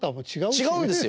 違うんですよ